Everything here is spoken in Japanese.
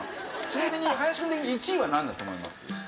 ちなみに林くん的に１位はなんだと思います？